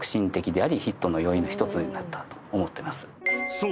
［そう。